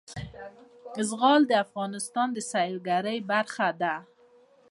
زغال د افغانستان د سیلګرۍ برخه ده.